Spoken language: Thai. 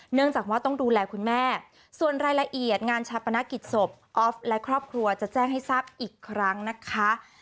เนื่องจากว่าต้องดูแลคุณแม่ส่วนรายละเอียดงานชาปนกิจศพออฟและครอบครัวจะแจ้งให้ทราบอีกครั้งนะคะ